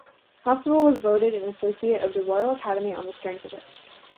Constable was voted an Associate of the Royal Academy on the strength of it.